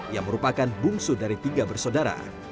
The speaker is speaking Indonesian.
yang merupakan bungsu dari tiga bersaudara